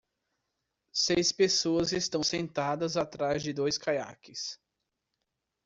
Seis pessoas estão sentadas atrás de dois caiaques.